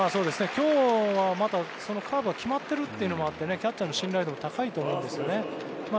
今日はまたカーブが決まってるというのもあってキャッチャーの信頼度も高いと思うんですね。